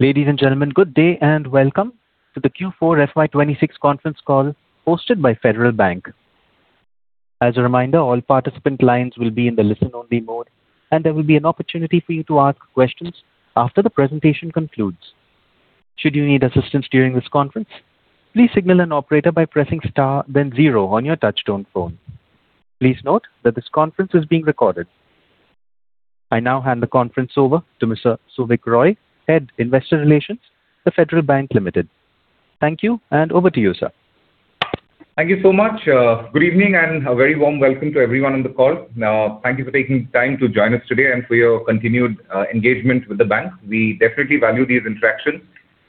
Ladies and gentlemen, good day and welcome to the Q4 FY 2026 Conference Call hosted by Federal Bank. As a reminder, all participant lines will be in the listen-only mode, and there will be an opportunity for you to ask questions after the presentation concludes. Should you need assistance during this conference, please signal an operator by pressing star then zero on your touchtone phone. Please note that this conference is being recorded. I now hand the conference over to Mr. Souvik Roy, Head, Investor Relations, The Federal Bank Limited. Thank you, and over to you, sir. Thank you so much. Good evening and a very warm welcome to everyone on the call. Thank you for taking time to join us today and for your continued engagement with the bank. We definitely value these interactions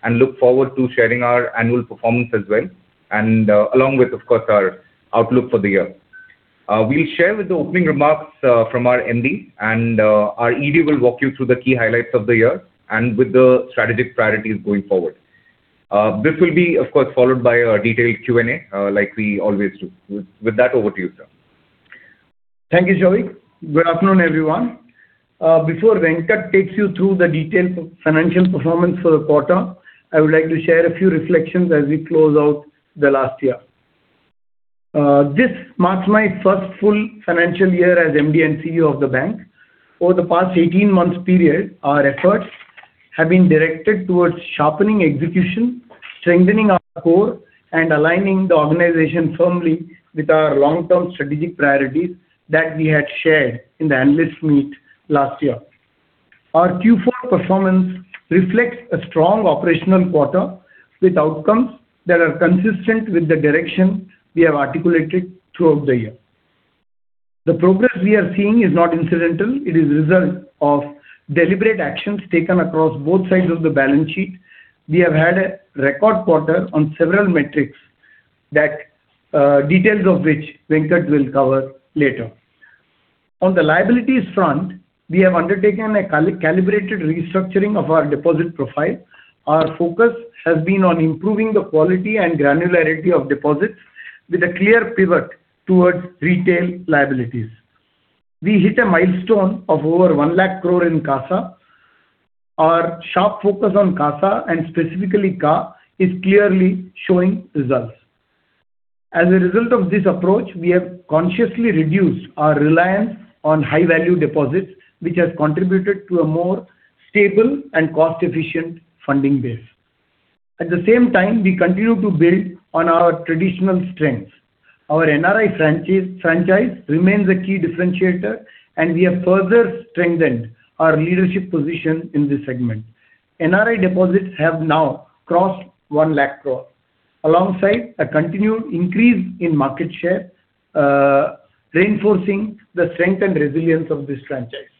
and look forward to sharing our annual performance as well, along with, of course, our outlook for the year. We'll share with the opening remarks from our MD and our ED will walk you through the key highlights of the year with the strategic priorities going forward. This will be, of course, followed by a detailed Q&A like we always do. With that, over to you, sir. Thank you, Souvik. Good afternoon, everyone. Before Venkat takes you through the detailed financial performance for the quarter, I would like to share a few reflections as we close out the last year. This marks my first full financial year as MD and CEO of the bank. Over the past 18 months period, our efforts have been directed towards sharpening execution, strengthening our core, and aligning the organization firmly with our long-term strategic priorities that we had shared in the analyst meet last year. Our Q4 performance reflects a strong operational quarter with outcomes that are consistent with the direction we have articulated throughout the year. The progress we are seeing is not incidental. It is a result of deliberate actions taken across both sides of the balance sheet. We have had a record quarter on several metrics that details of which Venkat will cover later. On the liabilities front, we have undertaken a calibrated restructuring of our deposit profile. Our focus has been on improving the quality and granularity of deposits with a clear pivot towards retail liabilities. We hit a milestone of over 1 lakh crore in CASA. Our sharp focus on CASA, and specifically CASA, is clearly showing results. As a result of this approach, we have consciously reduced our reliance on high-value deposits, which has contributed to a more stable and cost-efficient funding base. At the same time, we continue to build on our traditional strengths. Our NRI franchise remains a key differentiator, and we have further strengthened our leadership position in this segment. NRI deposits have now crossed 1 lakh crore, alongside a continued increase in market share, reinforcing the strength and resilience of this franchise.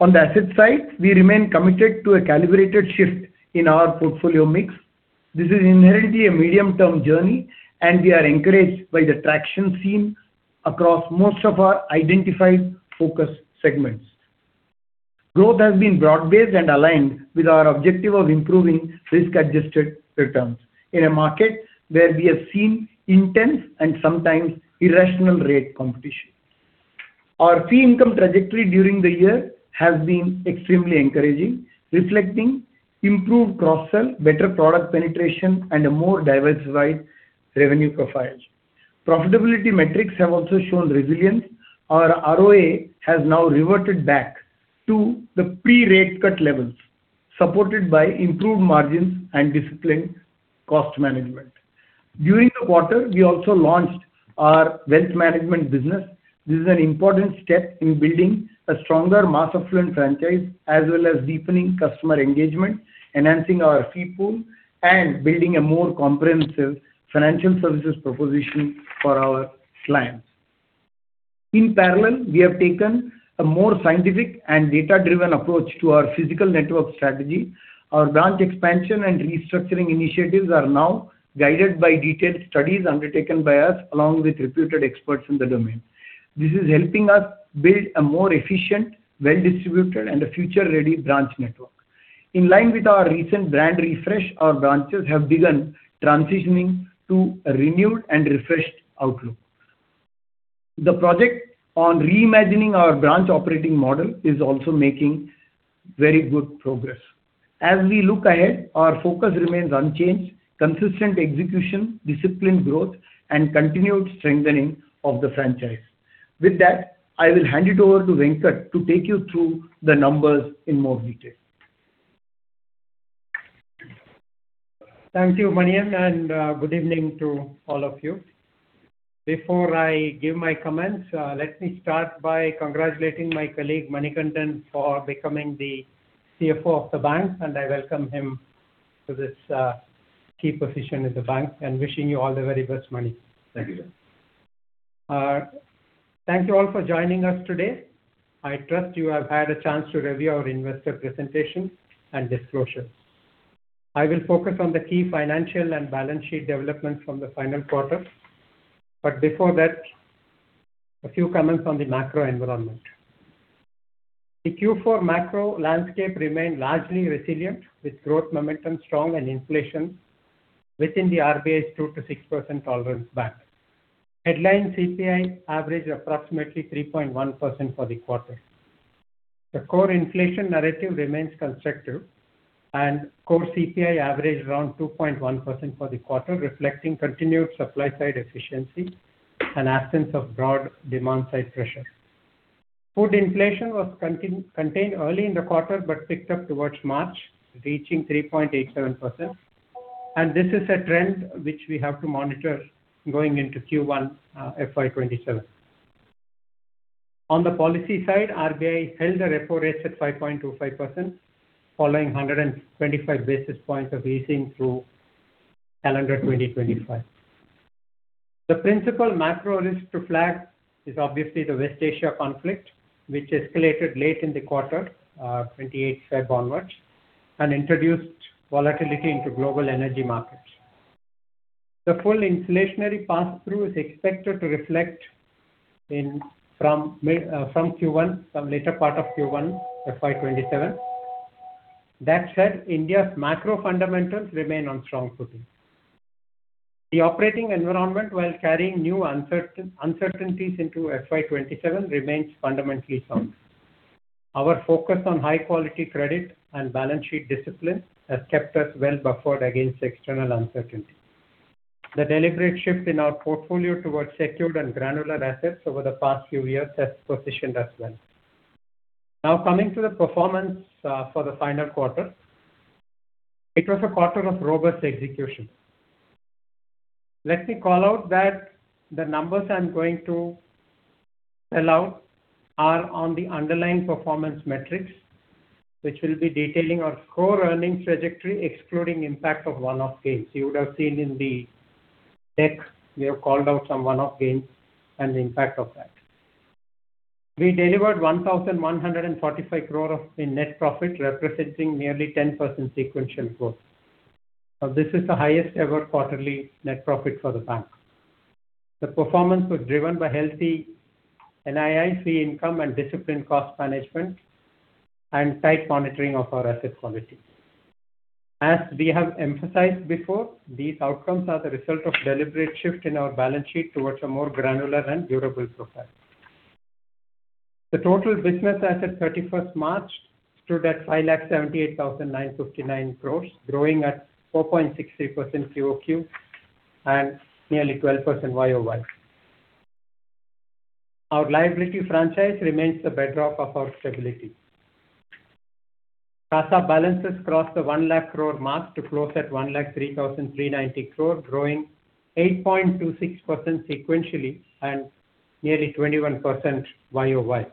On the asset side, we remain committed to a calibrated shift in our portfolio mix. This is inherently a medium-term journey, and we are encouraged by the traction seen across most of our identified focus segments. Growth has been broad-based and aligned with our objective of improving risk-adjusted returns in a market where we have seen intense and sometimes irrational rate competition. Our fee income trajectory during the year has been extremely encouraging, reflecting improved cross-sell, better product penetration, and a more diversified revenue profiles. Profitability metrics have also shown resilience. Our ROA has now reverted back to the pre-rate cut levels, supported by improved margins and disciplined cost management. During the quarter, we also launched our Wealth Management business. This is an important step in building a stronger mass affluent franchise, as well as deepening customer engagement, enhancing our fee pool, and building a more comprehensive financial services proposition for our clients. In parallel, we have taken a more scientific and data-driven approach to our physical network strategy. Our branch expansion and restructuring initiatives are now guided by detailed studies undertaken by us, along with reputed experts in the domain. This is helping us build a more efficient, well-distributed, and a future-ready branch network. In line with our recent brand refresh, our branches have begun transitioning to a renewed and refreshed outlook. The project on reimagining our branch operating model is also making very good progress. As we look ahead, our focus remains unchanged, consistent execution, disciplined growth, and continued strengthening of the franchise. With that, I will hand it over to Venkat to take you through the numbers in more detail. Thank you, Manian, and good evening to all of you. Before I give my comments, let me start by congratulating my colleague, Manikandan, for becoming the CFO of the bank, and I welcome him to this key position at the bank and wishing you all the very best, Mani. Thank you, sir. Thank you all for joining us today. I trust you have had a chance to review our Investor Presentation and Disclosures. I will focus on the key financial and balance sheet developments from the final quarter. Before that, a few comments on the macro environment. The Q4 macro landscape remained largely resilient with growth momentum strong and inflation within the RBI's 2% to 6% tolerance band. Headline CPI averaged approximately 3.1% for the quarter. The core inflation narrative remains constructive and core CPI averaged around 2.1% for the quarter, reflecting continued supply side efficiency and absence of broad demand side pressure. Food inflation was contained early in the quarter, but picked up towards March, reaching 3.87%. This is a trend which we have to monitor going into Q1 FY 2027. On the policy side, RBI held the repo rates at 5.25% following 125 basis points of easing through calendar 2025. The principal macro risk to flag is obviously the West Asia conflict, which escalated late in the quarter, February 28 onwards, and introduced volatility into global energy markets. The full inflationary pass-through is expected to reflect in from Q1, from later part of Q1 FY 2027. That said, India's macro fundamentals remain on strong footing. The operating environment, while carrying new uncertainties into FY 2027, remains fundamentally sound. Our focus on high quality credit and balance sheet discipline has kept us well buffered against external uncertainty. The deliberate shift in our portfolio towards secured and granular assets over the past few years has positioned us well. Now, coming to the performance for the final quarter. It was a quarter of robust execution. Let me call out that the numbers I'm going to spell out are on the underlying performance metrics, which will be detailing our core earnings trajectory, excluding impact of one-off gains. You would have seen in the deck, we have called out some one-off gains and the impact of that. We delivered 1,145 crore in net profit, representing nearly 10% sequential growth. This is the highest ever quarterly net profit for the bank. The performance was driven by healthy NII, fee income, and disciplined cost management and tight monitoring of our asset quality. As we have emphasized before, these outcomes are the result of deliberate shift in our balance sheet towards a more granular and durable profile. The total business assets 31st March stood at 578,959 crore, growing at 4.63% QoQ and nearly 12% YoY. Our liability franchise remains the bedrock of our stability. CASA balances crossed the 100,000 crore mark to close at 103,390 crore, growing 8.26% sequentially and nearly 21% YoY.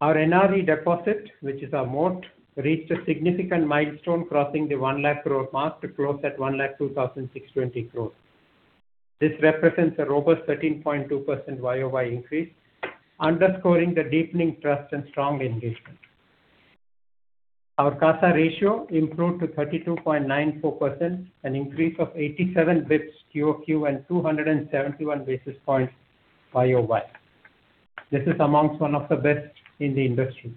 Our NRE deposit, which is our moat, reached a significant milestone, crossing the 100,000 crore mark to close at 102,620 crore. This represents a robust 13.2% YoY increase, underscoring the deepening trust and strong engagement. Our CASA ratio improved to 32.94%, an increase of 87 basis points QoQ and 271 basis points YoY. This is amongst one of the best in the industry.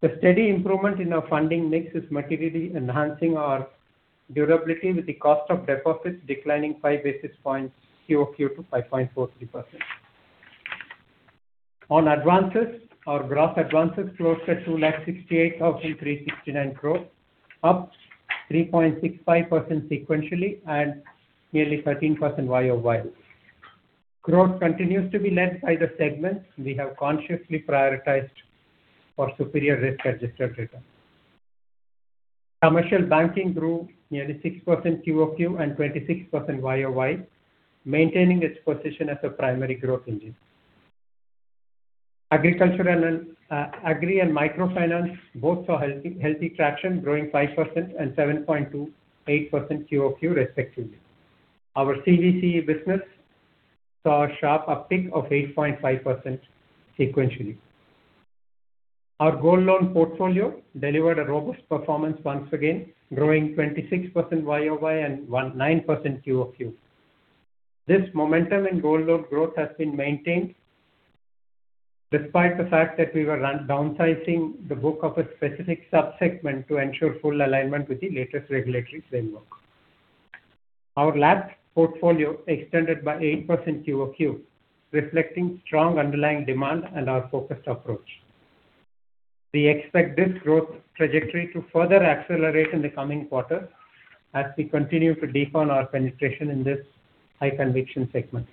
The steady improvement in our funding mix is materially enhancing our durability with the cost of deposits declining 5 basis points QOQ to 5.43%. On advances, our gross advances closed at 268,369 crore, up 3.65% sequentially and nearly 13% YoY. Growth continues to be led by the segments we have consciously prioritized for superior risk-adjusted return. Commercial Banking grew nearly 6% QoQ and 26% YoY, maintaining its position as a primary growth engine. Agricultural and Agri and Microfinance both saw healthy traction, growing 5% and 7.28% QoQ respectively. Our CV/CE business saw a sharp uptick of 8.5% sequentially. Our Gold Loan portfolio delivered a robust performance once again, growing 26% YoY and 9% QoQ. This momentum in Gold Loan growth has been maintained despite the fact that we were downsizing the book of a specific sub-segment to ensure full alignment with the latest regulatory framework. Our LAP portfolio extended by 8% QoQ, reflecting strong underlying demand and our focused approach. We expect this growth trajectory to further accelerate in the coming quarter as we continue to deepen our penetration in this high conviction segment.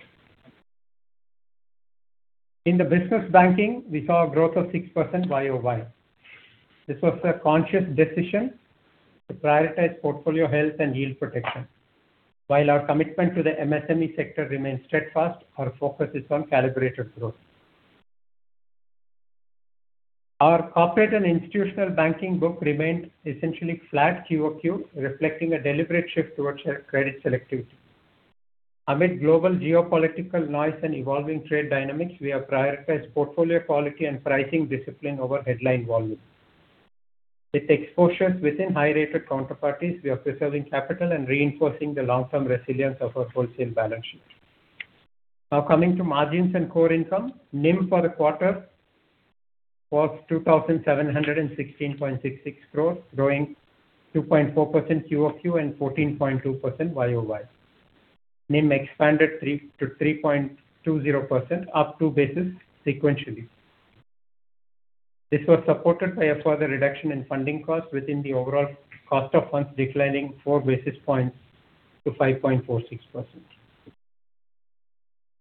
In the Business Banking, we saw a growth of 6% YoY. This was a conscious decision to prioritize portfolio health and yield protection. While our commitment to the MSME sector remains steadfast, our focus is on calibrated growth. Our corporate and institutional banking book remained essentially flat QoQ, reflecting a deliberate shift towards credit selectivity. Amid global geopolitical noise and evolving trade dynamics, we have prioritized portfolio quality and pricing discipline over headline volume. With exposures within high-rated counterparties, we are preserving capital and reinforcing the long-term resilience of our wholesale balance sheet. Coming to margins and core income. NIM for the quarter was 2,716.66 crore, growing 2.4% QoQ and 14.2% YoY. NIM expanded to 3.20%, up two basis points sequentially. This was supported by a further reduction in funding costs within the overall cost of funds declining four basis points to 5.46%.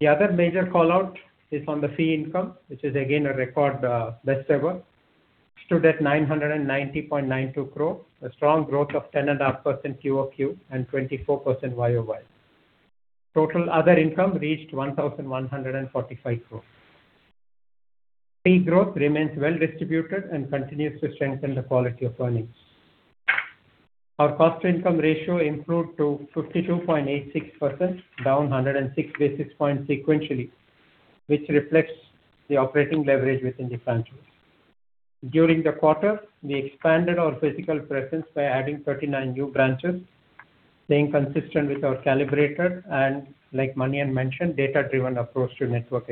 The other major call-out is on the fee income, which is again a record, best ever. Stood at 990.92 crore, a strong growth of 10.5% QoQ and 24% YoY. Total other income reached 1,145 crore. Fee growth remains well distributed and continues to strengthen the quality of earnings. Our Cost-to-Income ratio improved to 52.86%, down 106 basis points sequentially, which reflects the operating leverage within the franchise. During the quarter, we expanded our physical presence by adding 39 new branches, staying consistent with our calibrated and, like Manian mentioned, data-driven approach to network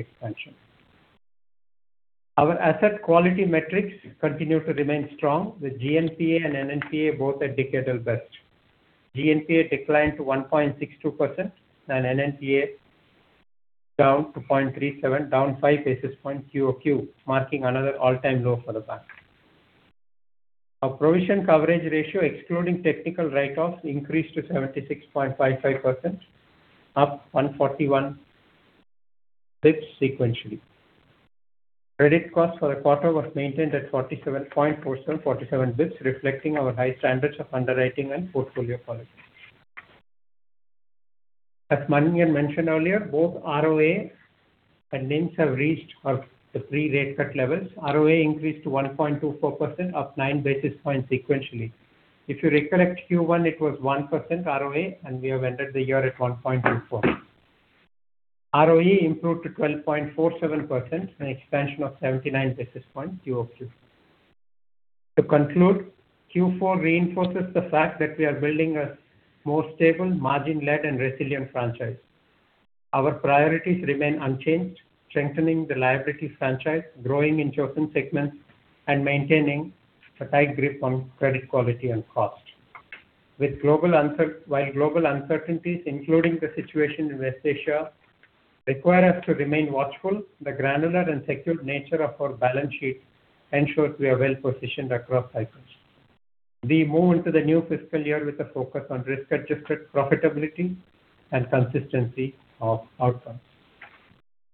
expansion. Our asset quality metrics continue to remain strong with GNPA and NNPA both at decadal best. GNPA declined to 1.62% and NNPA down to 0.37%, down five basis points QoQ, marking another all-time low for the bank. Our provision coverage ratio, excluding technical write-offs, increased to 76.55%, up 141 basis points sequentially. Credit cost for the quarter was maintained at 47 basis points, reflecting our high standards of underwriting and portfolio quality. As Manian mentioned earlier, both ROA and NIMS have reached our pre-rate cut levels. ROA increased to 1.24%, up nine basis points sequentially. If you recollect Q1, it was 1% ROA, we have ended the year at 1.24%. ROE improved to 12.47%, an expansion of 79 basis points QoQ. To conclude, Q4 reinforces the fact that we are building a more stable margin-led and resilient franchise. Our priorities remain unchanged, strengthening the liability franchise, growing in chosen segments and maintaining a tight grip on credit quality and cost. While global uncertainties, including the situation in West Asia, require us to remain watchful, the granular and secured nature of our balance sheet ensures we are well positioned across cycles. We move into the new fiscal year with a focus on risk-adjusted profitability and consistency of outcomes.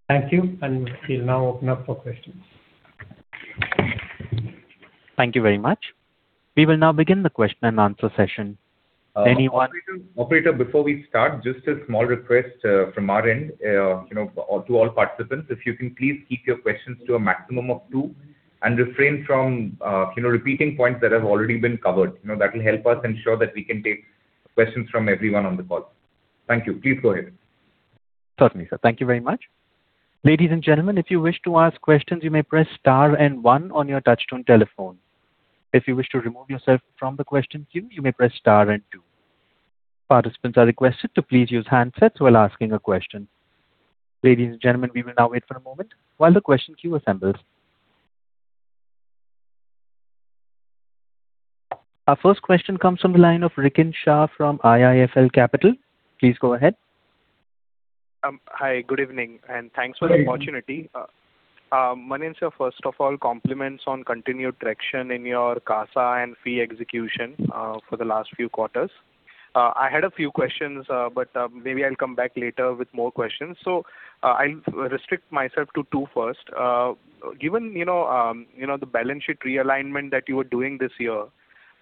Thank you, and we'll now open up for questions. Thank you very much. We will now begin the question and answer session. Anyone. Operator, operator, before we start, just a small request from our end, you know, to all participants. If you can please keep your questions to a maximum of two and refrain from, you know, repeating points that have already been covered. That will help us ensure that we can take questions from everyone on the call. Thank you. Please go ahead. Certainly, sir. Thank you very much. Ladies and gentlemen, if you wish to ask questions you may press star one on your touch-tone telephone. If you wish to remove yourself from the question queue, you may press star two. Participants are requested to please use handsets while asking a question. Ladies and gentlemen, we will now wait for a moment while the question queue assembles. Our first question comes from the line of Rikin Shah from IIFL Capital. Please go ahead. Hi, good evening, and thanks for the opportunity. Hi. Manian, sir, first of all, compliments on continued traction in your CASA and fee execution for the last few quarters. I had a few questions, but maybe I'll come back later with more questions. I'll restrict myself to two first. Given, you know, the balance sheet realignment that you were doing this year,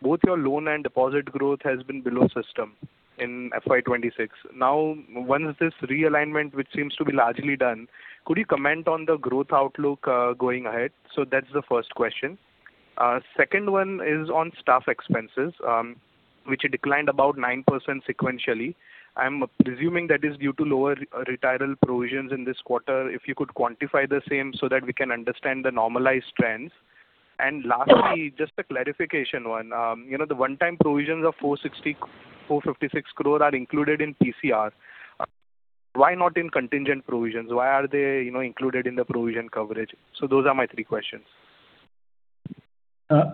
both your loan and deposit growth has been below system in FY 2026. Now, once this realignment, which seems to be largely done, could you comment on the growth outlook going ahead? That's the first question. Second one is on staff expenses, which declined about 9% sequentially. I'm presuming that is due to lower retiral provisions in this quarter. If you could quantify the same so that we can understand the normalized trends. Lastly, just a clarification one. The one-time provisions of 456 crore are included in PCR. Why not in contingent provisions? Why are they, you know, included in the provision coverage? Those are my three questions.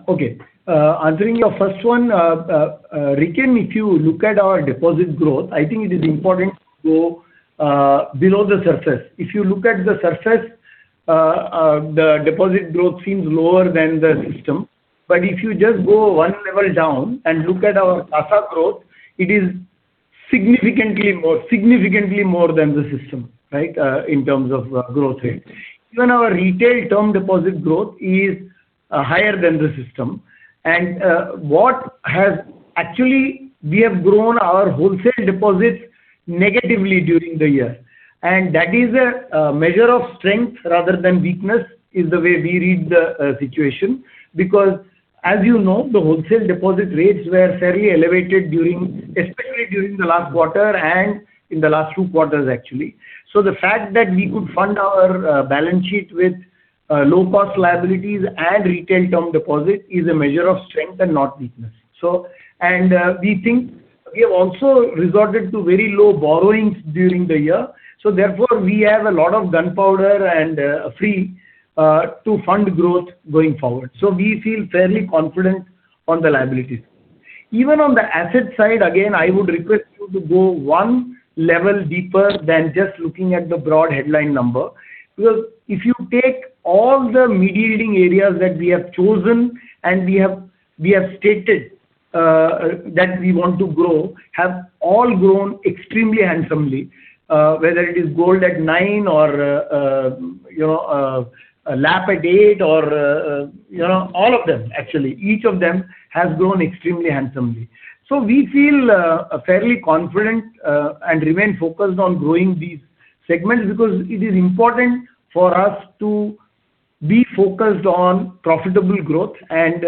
Okay. Answering your first one, Rikin, if you look at our deposit growth, I think it is important to go below the surface. If you look at the surface, the deposit growth seems lower than the system. If you just go one level down and look at our CASA growth, it is significantly more than the system, right? In terms of growth rate. Even our retail term deposit growth is higher than the system. Actually, we have grown our wholesale deposits negatively during the year. That is a measure of strength rather than weakness, is the way we read the situation because as you know, the wholesale deposit rates were fairly elevated during, especially during the last quarter and in the last two quarters actually the fact that we could fund our balance sheet with. Low-cost liabilities and retail term deposit is a measure of strength and not weakness. We think we have also resorted to very low borrowings during the year. We have a lot of gunpowder and free to fund growth going forward. We feel fairly confident on the liabilities. Even on the asset side, again, I would request you to go one level deeper than just looking at the broad headline number. If you take all the media leading areas that we have chosen and we have stated that we want to grow, have all grown extremely handsomely, whether it is Gold at 9% or LAP at 8% or all of them actually. Each of them has grown extremely handsomely. We feel fairly confident and remain focused on growing these segments because it is important for us to be focused on profitable growth and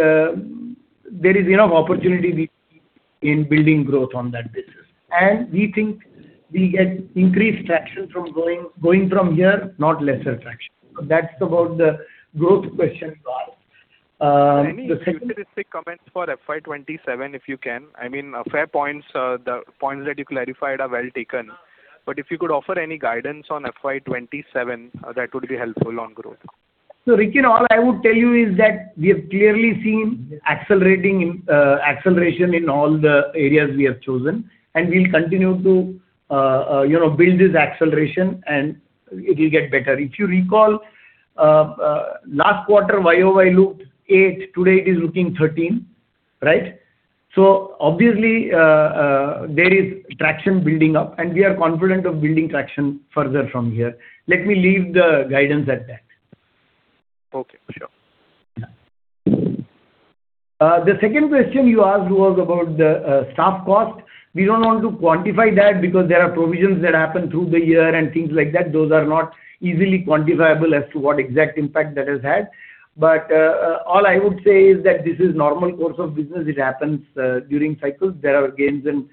there is enough opportunity we see in building growth on that business. We think we get increased traction from going from here, not lesser traction. That's about the growth question you asked. The second- Any futuristic comments for FY 2027, if you can? I mean, my fair points. The points that you clarified are well taken. If you could offer any guidance on FY 2027, that would be helpful on growth. Rikin, all I would tell you is that we have clearly seen acceleration in all the areas we have chosen, and we'll continue to build this acceleration and it will get better. If you recall, last quarter YoY looked eight, today it is looking 13, right? Obviously, there is traction building up, and we are confident of building traction further from here. Let me leave the guidance at that. Okay. Sure. The second question you asked was about the staff cost. We don't want to quantify that because there are provisions that happen through the year and things like that. Those are not easily quantifiable as to what exact impact that has had. All I would say is that this is normal course of business. It happens during cycles. There are gains and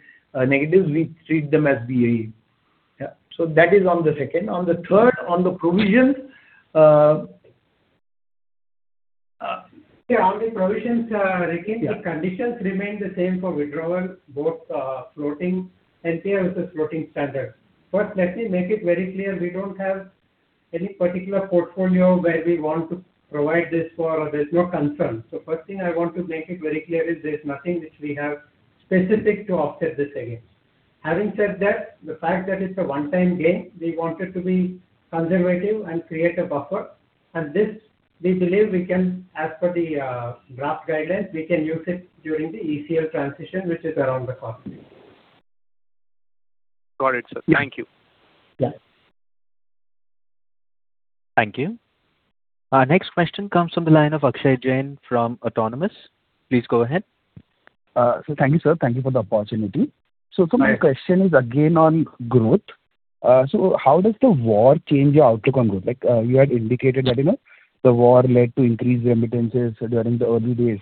negatives. We treat them as BAU. That is on the second. On the third, on the provisions. Yeah, on the provisions, Rikin. Yeah. The conditions remain the same for withdrawal, both floating and CLS is floating standard. Let me make it very clear, we don't have any particular portfolio where we want to provide this for. There's no concern. First thing I want to make it very clear is there is nothing which we have specific to offset this against. Having said that, the fact that it's a one-time gain, we wanted to be conservative and create a buffer. This, we believe we can, as per the draft guidance, we can use it during the ECL transition, which is around the corner. Got it, sir. Thank you. Yeah. Thank you. Our next question comes from the line of Akshay Jain from Autonomous. Please go ahead. Thank you, sir. Thank you for the opportunity. Right. My question is again on growth. How does the war change your outlook on growth? Like, you know, you had indicated that the war led to increased remittances during the early days.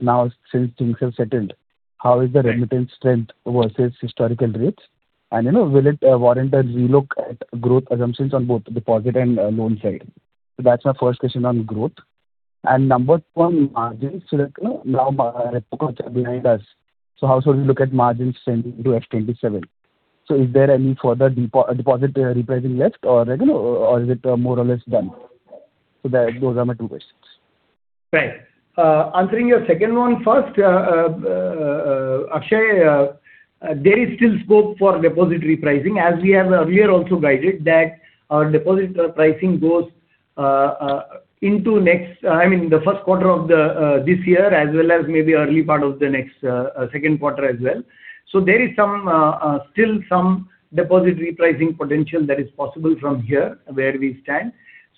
Now since things have settled, how is the remittance strength versus historical rates? You know, will it warrant a relook at growth assumptions on both deposit and loan side? That's my first question on growth. Number two on margins. Like, you know, now repo cuts are behind us. How shall we look at margins trending to FY 2027? Is there any further deposit repricing left or, you know, or is it more or less done? That, those are my two questions. Answering your second one first, Akshay, there is still scope for deposit repricing. As we have earlier also guided that our deposit pricing goes, I mean, the first quarter of this year, as well as maybe early part of the next second quarter as well. There is still some deposit repricing potential that is possible from here where we stand.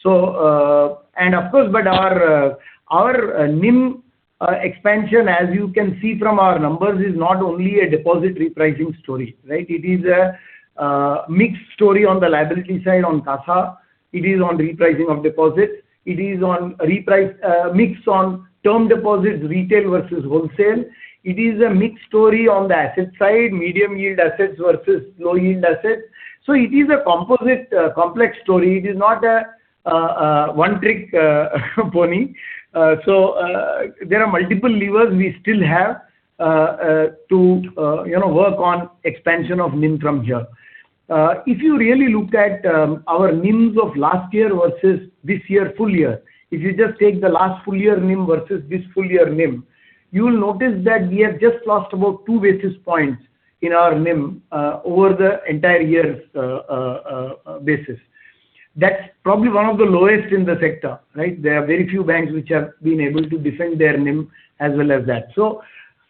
And of course, our NIM expansion, as you can see from our numbers, is not only a deposit repricing story, right? It is a mixed story on the liability side on CASA. It is on repricing of deposits. It is on mix on term deposits, retail versus wholesale. It is a mixed story on the asset side, Medium-Yield Assets versus Low-Yield Assets. It is a composite, complex story. It is not a one-trick pony. There are multiple levers we still have, you know, to work on expansion of NIM from here. If you really look at our NIMs of last year versus this year full year, if you just take the last full year NIM versus this full year NIM, you'll notice that we have just lost about two basis points in our NIM over the entire year's basis. That's probably one of the lowest in the sector, right? There are very few banks which have been able to defend their NIM as well as that.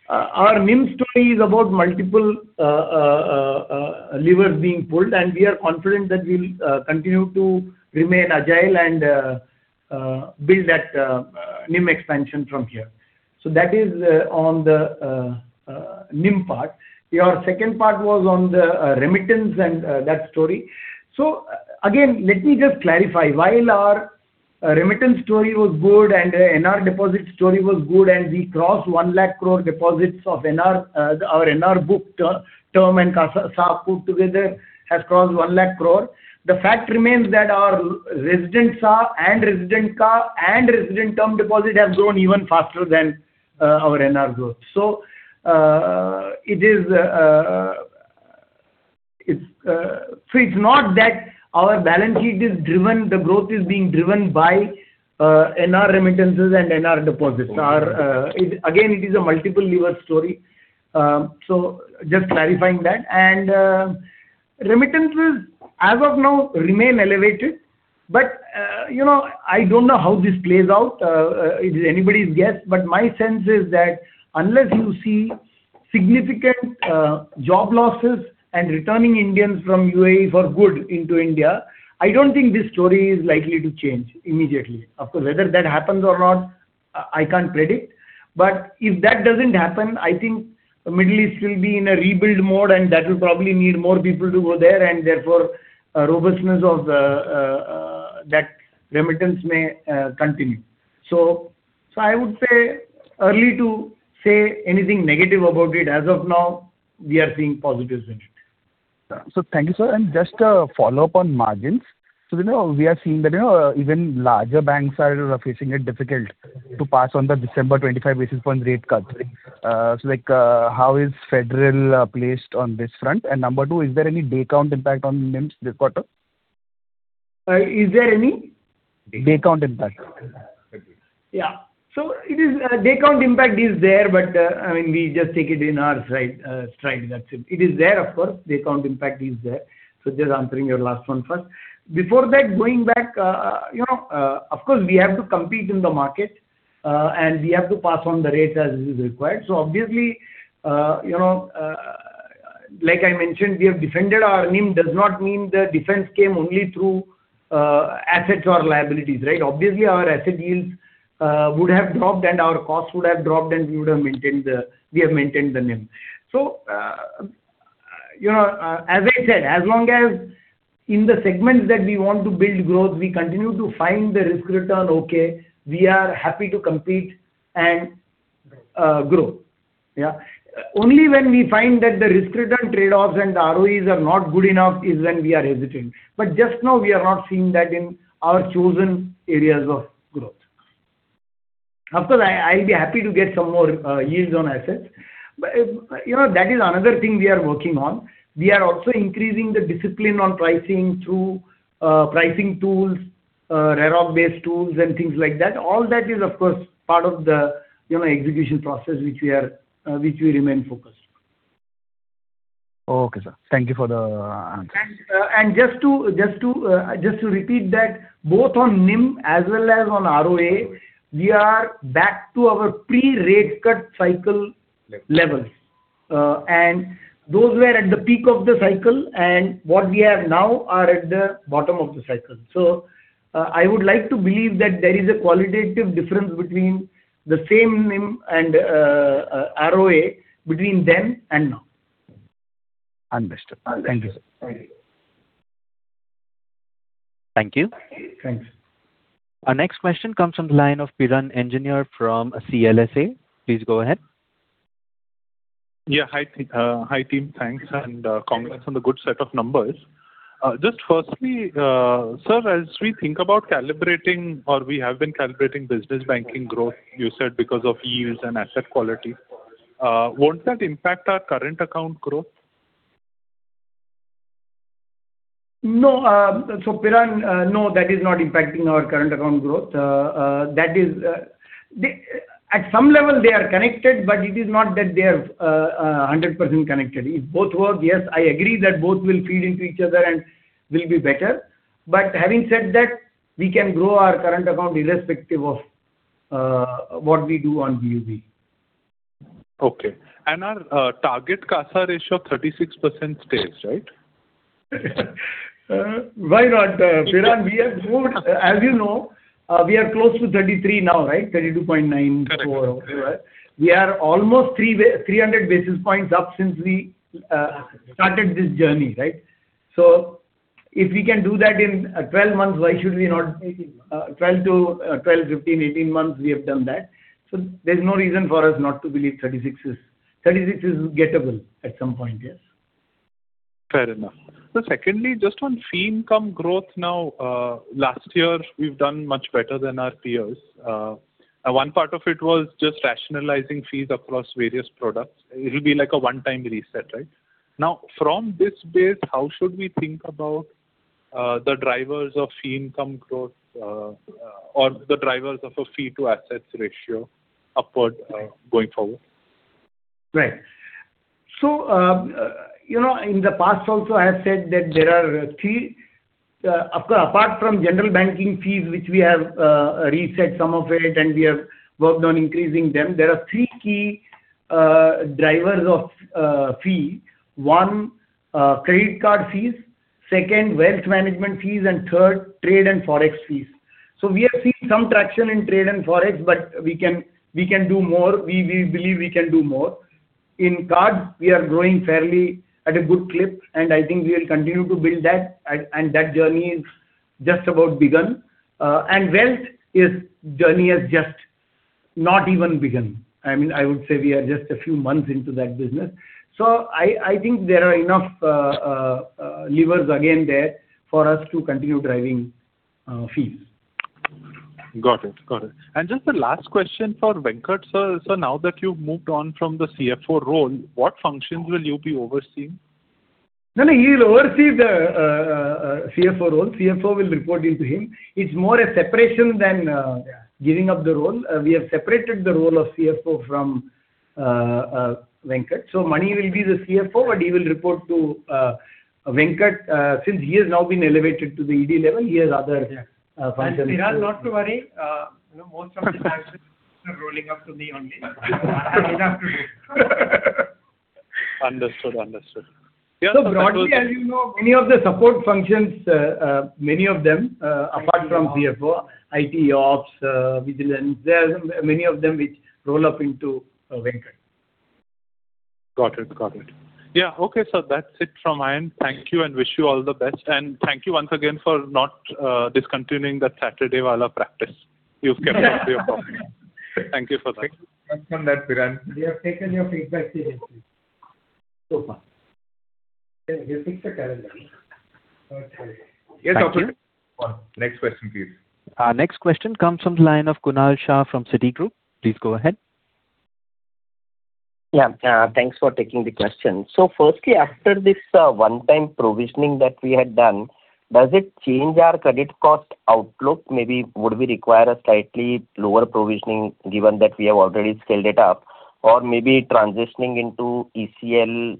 Our NIM story is about multiple levers being pulled, and we are confident that we'll continue to remain agile and build that NIM expansion from here. That is on the NIM part. Your second part was on the remittance and that story. Again, let me just clarify. While our remittance story was good and our NR deposit story was good, and we crossed 1 lakh crore deposits of NR, our NR book term and CASA put together has crossed 1 lakh crore. The fact remains that our resident SA and resident CA and resident term deposit have grown even faster than our NR growth. It's not that our balance sheet is driven, the growth is being driven by, NR remittances and NR deposits. Okay. Our, again, it is a multiple lever story. Just clarifying that. Remittances as of now remain elevated. You know, I don't know how this plays out. It is anybody's guess. My sense is that unless you see significant job losses and returning Indians from UAE for good into India, I don't think this story is likely to change immediately. Of course, whether that happens or not, I can't predict. If that doesn't happen, I think Middle East will be in a rebuild mode, and that will probably need more people to go there and therefore a robustness of the that remittance may continue. I would say early to say anything negative about it. As of now, we are seeing positives in it. Thank you, sir. Just a follow-up on margins. We know we are seeing that, you know, even larger banks are facing it difficult to pass on the December 25 basis point rate cut. Right? How is Federal placed on this front? Number two, is there any day count impact on NIMs this quarter? Is there any? Day count impact. Yeah. It is, I mean, we just take it in our stride, that's it. It is there, of course, day count impact is there. Just answering your last one first. Before that, going back, you know, of course, we have to compete in the market, and we have to pass on the rate as is required. Obviously, you know, like I mentioned, we have defended our NIM does not mean the defense came only through assets or liabilities, right? Obviously, our asset yields would have dropped and our costs would have dropped and we have maintained the NIM. As I said, as long as in the segments that we want to build growth, we continue to find the risk return okay, we are happy to compete. Grow. Yeah. Only when we find that the risk-return trade-offs and the ROEs are not good enough is when we are hesitant. Just now we are not seeing that in our chosen areas of growth. Of course, I'll be happy to get some more yields on assets. That is another thing we are working on. We are also increasing the discipline on pricing through pricing tools, RAROC-based tools and things like that. All that is of course, part of the execution process which we are which we remain focused. Okay, sir. Thank you for the answer. Just to repeat that, both on NIM as well as on ROA, we are back to our pre-rate cut cycle levels. Levels. Those were at the peak of the cycle, and what we have now are at the bottom of the cycle. I would like to believe that there is a qualitative difference between the same NIM and ROA between then and now. Understood. Thank you, sir. Thank you. Thanks. Our next question comes from the line of Piran Engineer from CLSA. Please go ahead. Yeah. Hi, team. Thanks, congrats on the good set of numbers. Just firstly, sir, as we think about calibrating or we have been calibrating Business Banking growth, you said because of yields and asset quality, won't that impact our current account growth? No. Piran, no, that is not impacting our current account growth. That is, at some level they are connected, but it is not that they are 100% connected. If both were, yes, I agree that both will feed into each other and will be better. Having said that, we can grow our current account irrespective of what we do on BB. Okay. our target CASA ratio of 36% stays, right? Why not? Piran, we have moved. As you know, we are close to 33 now, right? 32.94. Correct. We are almost 300 basis points up since we started this journey, right? If we can do that in 12 months, why should we not? 18 months. 12 to 12, 15, 18 months we have done that. There's no reason for us not to believe 36 is gettable at some point, yes. Fair enough. Secondly, just on fee income growth now, last year we've done much better than our peers. One part of it was just rationalizing fees across various products. It will be like a one-time reset, right? Now, from this base, how should we think about the drivers of fee income growth or the drivers of a fee to assets ratio upward going forward? Right. In the past also I have said that there are three, of course, apart from general banking fees, which we have reset some of it and we have worked on increasing them, there are three key drivers of fees. One, credit card fees. two, wealth management fees. three, trade and Forex fees. We are seeing some traction in trade and Forex, but we can do more. We believe we can do more. In cards, we are growing fairly at a good clip, and I think we will continue to build that. That journey is just about begun. Wealth, its journey has just not even begun. I mean, I would say we are just a few months into that business. I think there are enough levers again there for us to continue driving fees. Got it. Just the last question for Venkat, sir. Now that you've moved on from the CFO role, what functions will you be overseeing? No, no. He'll oversee the CFO role. CFO will report into him. It's more a separation than. Yeah Giving up the role. We have separated the role of CFO from Venkat. Mani will be the CFO, but he will report to Venkat. Since he has now been elevated to the ED level. Yeah Functions. Piran, not to worry. You know, most of the times they're rolling up to me only. I don't have to do. Understood. Broadly, as you know, many of the support functions, many of them, apart from CFO, IT Ops, vigilance, there are many of them which roll up into Venkat. Got it. Got it. Yeah. Okay, that's it from my end. Thank you and wish you all the best. Thank you once again for not discontinuing that Saturday you wanna practice. You've kept up your promise. Thank you for that. Thank you for that, Piran. We have taken your feedback seriously so far. Yeah, we fixed the calendar. Okay. Yes, Operator. Next question, please. Next question comes from the line of Kunal Shah from Citigroup. Please go ahead. Yeah. Thanks for taking the question. Firstly, after this one-time provisioning that we had done, does it change our Credit Cost outlook? Maybe would we require a slightly lower provisioning given that we have already scaled it up or maybe transitioning into ECL,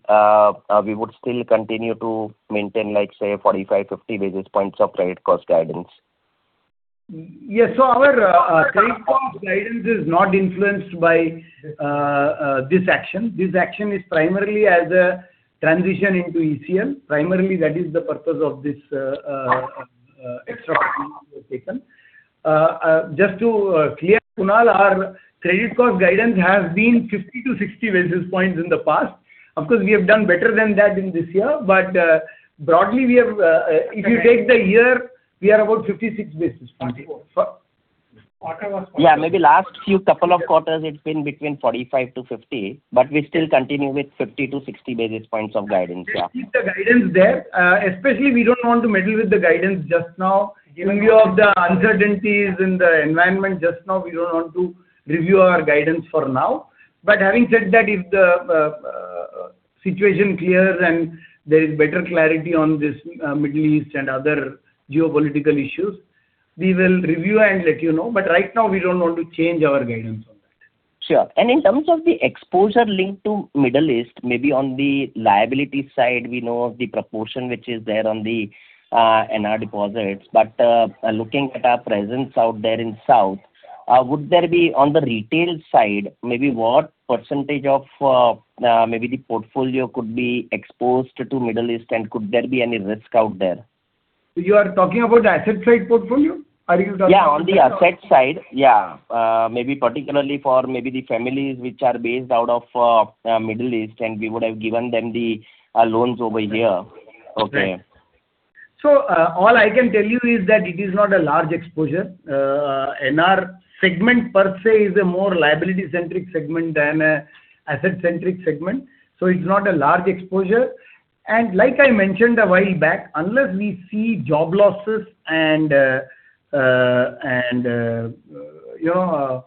we would still continue to maintain like, say, 45, 50 basis points of Credit Cost guidance. Yes. Our Credit Cost guidance is not influenced by this action. This action is primarily as a transition into ECL. Primarily, that is the purpose of this extra fee we have taken. Just to clear, Kunal, our Credit Cost guidance has been 50 to 60 basis points in the past. Of course, we have done better than that in this year. Broadly, we have, if you take the year, we are about 56 basis points. Quarter was- Yeah, maybe last few couple of quarters it's been between 45 to 50, but we still continue with 50 to 60 basis points of guidance. Yeah. We'll keep the guidance there. Especially we don't want to meddle with the guidance just now. Yeah. Given view of the uncertainties in the environment just now, we don't want to review our guidance for now. Having said that, if the situation clears and there is better clarity on this Middle East and other geopolitical issues, we will review and let you know. Right now we don't want to change our guidance on that. Sure. In terms of the exposure linked to Middle East, maybe on the liability side, we know of the proportion which is there on the NR deposits. Looking at our presence out there in South, would there be on the retail side, maybe what percentage of the portfolio could be exposed to Middle East? Could there be any risk out there? You are talking about the asset side portfolio? Yeah, on the asset side. Yeah. maybe particularly for maybe the families which are based out of Middle East, and we would have given them the loans over here. Right. All I can tell you is that it is not a large exposure. NR segment per se is a more liability-centric segment than an asset-centric segment, it's not a large exposure. Like I mentioned a while back, unless we see job losses and you know,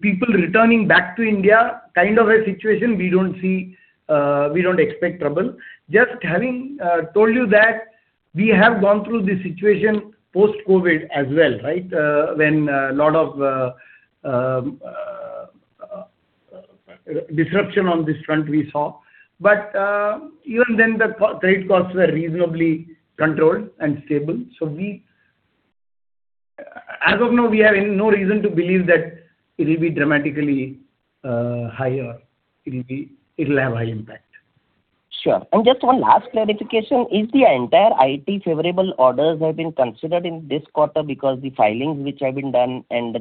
people returning back to India kind of a situation, we don't expect trouble. Just having told you that we have gone through this situation post-COVID as well, right? When a lot of disruption on this front we saw. Even then the credit costs were reasonably controlled and stable. As of now, we have no reason to believe that it'll be dramatically higher. It'll have high impact. Sure. Just one last clarification. Is the entire IT favorable orders have been considered in this quarter? The filings which have been done and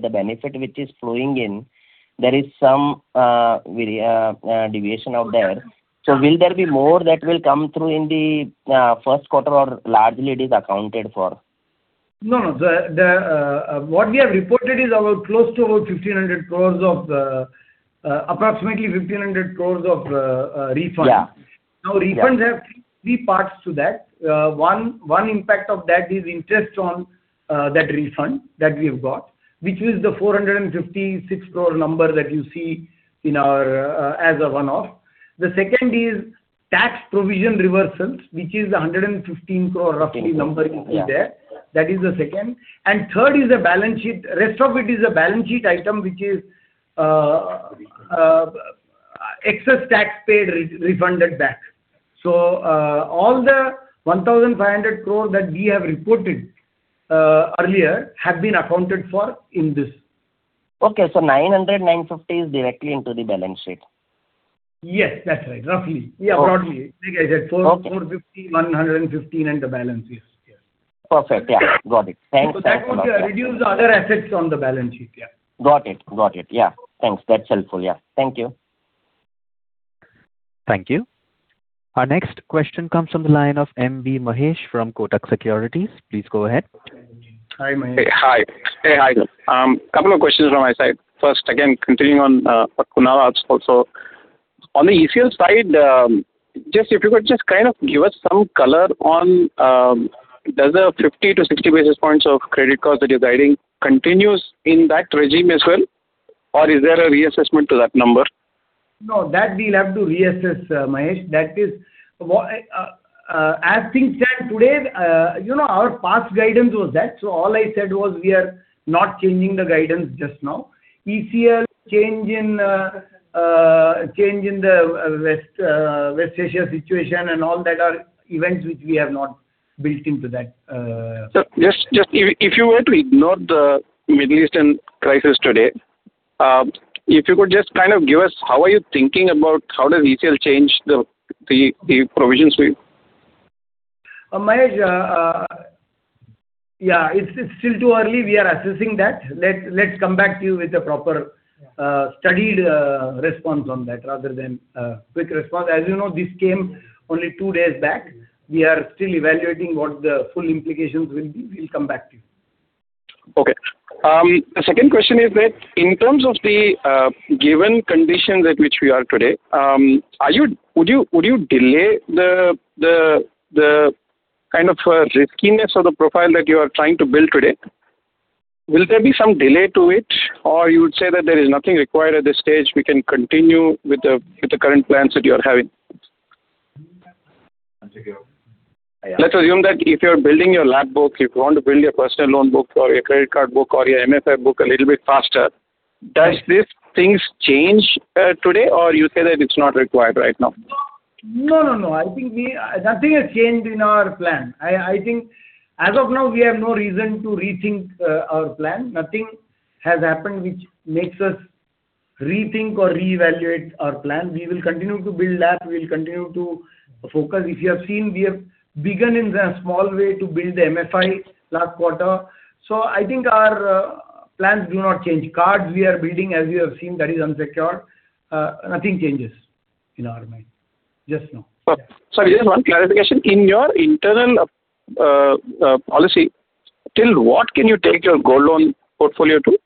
the benefit which is flowing in, there is some very deviation out there. Will there be more that will come through in the first quarter, or largely it is accounted for? No, no. The what we have reported is our close to over 1,500 crores of, approximately 1,500 crores of, refunds. Yeah. Refunds have three parts to that. One impact of that is interest on that refund that we have got, which is the 456 crore number that you see in our as a one-off. The second is tax provision reversals, which is an 115 crore roughly number you see there. Okay. Yeah. That is the second. Third is the balance sheet. Rest of it is a balance sheet item, which is excess tax paid re-refunded back. All the 1,500 crore that we have reported earlier have been accounted for in this. Okay. 900, 950 is directly into the balance sheet? Yes, that's right. Roughly. Okay. Broadly, like I said, four- Okay INR 450, 115, in the balance sheet. Perfect. Yeah, got it. Thanks. That's enough. That would reduce other assets on the balance sheet. Yeah. Got it. Yeah. Thanks. That's helpful. Yeah. Thank you. Thank you. Our next question comes from the line of M.B. Mahesh from Kotak Securities. Please go ahead. Hi, Mahesh. Hey, hi. Couple of questions from my side. First, again, continuing on, Kunal asked also. On the ECL side, just if you could just kind of give us some color on, does the 50 to 60 basis points of credit cost that is guiding continues in that regime as well or is there a reassessment to that number? No, that we'll have to reassess, Mahesh. That is as things stand today, you know, our past guidance was that. All I said was we are not changing the guidance just now. ECL change in change in the West Asia situation and all that are events which we have not built into that. Just if you were to ignore the Middle Eastern crisis today, if you could just give us how are you thinking about how does ECL change the provisions? Mahesh, yeah, it's still too early. We are assessing that. Let's come back to you with a proper, studied, response on that rather than a quick response. As you know, this came only two days back. We are still evaluating what the full implications will be. We'll come back to you. Okay. The second question is that in terms of the given conditions at which we are today, would you delay the riskiness of the profile that you are trying to build today? Will there be some delay to it or you would say that there is nothing required at this stage, we can continue with the current plans that you are having? Unsecured. Let's assume that if you're building your LAP book, if you want to build your personal loan book or your credit card book or your MFI book a little bit faster, does these things change today or you say that it's not required right now? No, no. I think nothing has changed in our plan. I think as of now we have no reason to rethink our plan. Nothing has happened which makes us rethink or reevaluate our plan. We will continue to build that. We'll continue to focus. If you have seen, we have begun in a small way to build the MFI last quarter. I think our plans do not change. Cards we are building, as you have seen, that is unsecured. Nothing changes in our mind just now. Sir, just one clarification. In your internal policy, till what can you take your Gold loan portfolio to?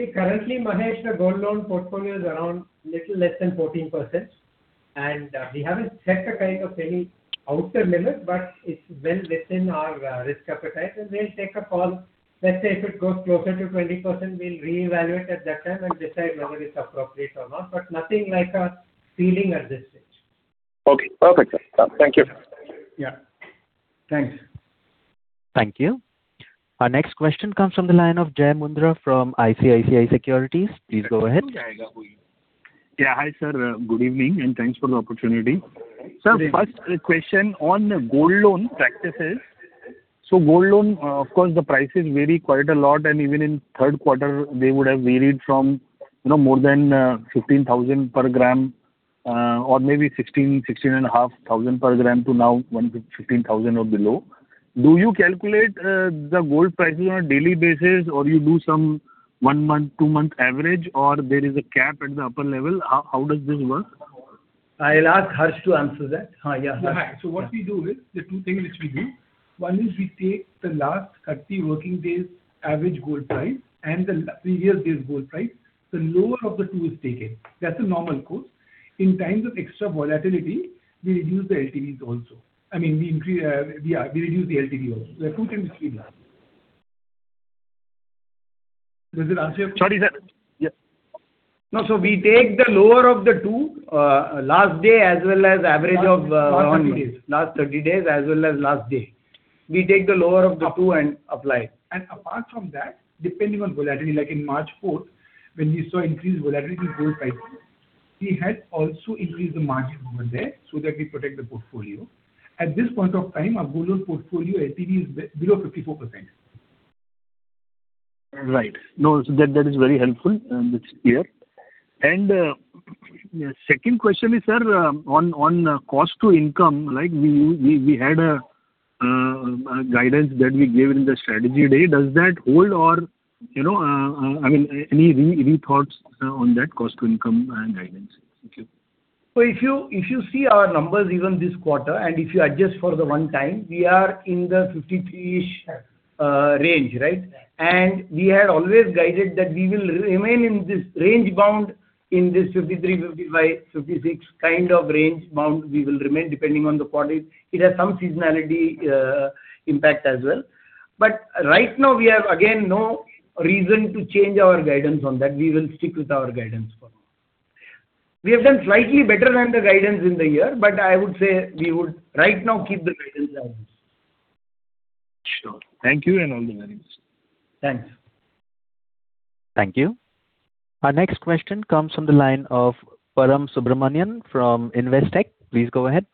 See, currently, Mahesh, the Gold loan portfolio is around little less than 14%. We haven't set a any outer limit, but it's well within our risk appetite. We'll take a call. Let's say if it goes closer to 20%, we'll reevaluate at that time and decide whether it's appropriate or not. Nothing like a ceiling at this stage. Okay. Perfect. Thank you. Yeah. Thanks. Thank you. Our next question comes from the line of Jai Mundhra from ICICI Securities. Please go ahead. Yeah. Hi, sir. Good evening, and thanks for the opportunity. Sir, first question on Gold loan practices. Gold loan, of course, the prices vary quite a lot, and even in third quarter they would have varied from, you know, more than 15,000 per gram or maybe 16,500 per gram to now INR 1,INR 15,000 or below. Do you calculate the Gold prices on a daily basis or you do some one-month, two-month average or there is a cap at the upper level? How does this work? I'll ask Arsh to answer that. Yeah, Arsh. What we do is the two things which we do. One is we take the last 30 working days average Gold price and the previous day's Gold price. The lower of the two is taken. That's the normal course. In times of extra volatility, we reduce the LTVs also. I mean, we increase, we reduce the LTV also. There are two things we do. Does it answer your question? Sorry, sir. Yeah. No. We take the lower of the two, last day as well as average of. Last 30 days. Last 30 days as well as last day. We take the lower of the two and apply. Apart from that, depending on volatility, like in March 4th, when we saw increased volatility Gold prices, we had also increased the margin over there so that we protect the portfolio. At this point of time, our gold loan portfolio LTV is below 54%. Right. No, so that is very helpful. It's clear. Second question is, sir, on cost to income, like we had a guidance that we gave in the strategy day. Does that hold or, you know, I mean, any re-thoughts on that Cost-to-Income and guidance? Thank you. If you see our numbers even this quarter and if you adjust for the one time, we are in the 53-ish range, right? Right. We had always guided that we will remain in this range bound, in this 53, 55, 56 kind of range bound we will remain depending on the quarter. It has some seasonality impact as well. Right now we have, again, no reason to change our guidance on that. We will stick with our guidance for now. We have done slightly better than the guidance in the year, I would say we would right now keep the guidance as is. Sure. Thank you and all the very best. Thanks. Thank you. Our next question comes from the line of Param Subramanian from Investec. Please go ahead.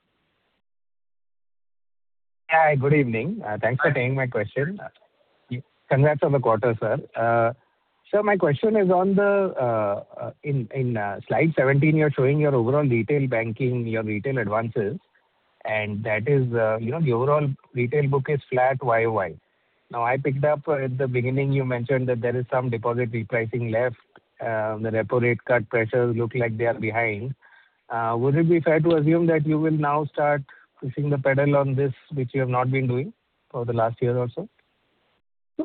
Hi. Good evening. Thanks for taking my question. Congrats on the quarter, sir. Sir, my question is on the slide 17, you're showing your overall retail banking, your retail advances, and that is, you know, the overall retail book is flat YoY. I picked up at the beginning you mentioned that there is some deposit repricing left. The repo rate cut pressures look like they are behind. Would it be fair to assume that you will now start pushing the pedal on this, which you have not been doing for the last year or so?